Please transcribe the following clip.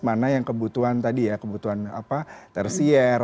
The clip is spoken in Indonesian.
mana yang kebutuhan tadi ya kebutuhan apa tersier